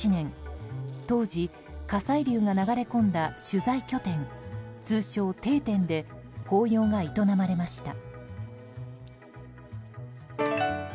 当時、火砕流が流れ込んだ取材拠点通称定点で法要が営まれました。